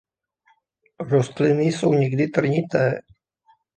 Rostliny jsou někdy trnité.